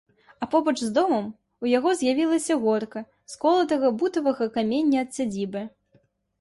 А побач з домам у яго з'явілася горка з колатага бутавага камення ад сядзібы.